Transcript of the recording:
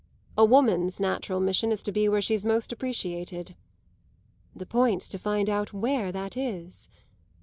"A woman's natural mission is to be where she's most appreciated." "The point's to find out where that is."